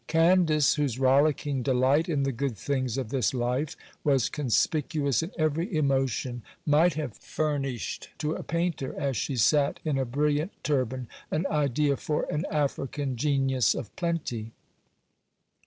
Candace, whose rollicking delight in the good things of this life was conspicuous in every emotion, might have famished to a painter, as she sat in a brilliant turban, an idea for an African genius of plenty.